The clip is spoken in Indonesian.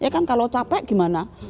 ya kan kalau capek gimana